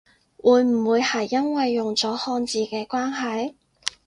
會唔會係因為用咗漢字嘅關係？